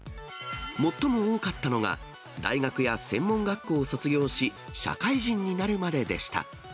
最も多かったのが、大学や専門学校を卒業し、社会人になるまででした。